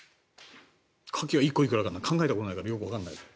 カキが１個いくらなんか考えたことがないからよくわからない。